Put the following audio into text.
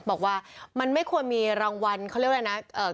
บอกว่ามันไม่ควรมีรางวัลเขาเรียกอะไรนะเอ่อ